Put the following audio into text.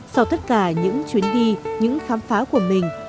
sau tất cả những chuyến đi những khám phá của mình